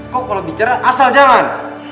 kok kalo bicara asal jangan